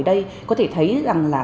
ở đây có thể thấy rằng là